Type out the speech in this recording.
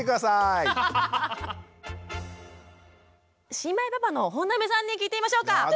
新米パパの本並さんに聞いてみましょうか。